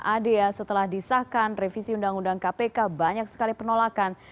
adea setelah disahkan revisi undang undang kpk banyak sekali penolakan